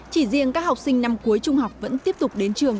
chỉ riêng các học sinh năm cuối trung học vẫn tiếp tục đến trường